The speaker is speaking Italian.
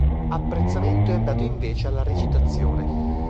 Apprezzamento è andato invece alla recitazione.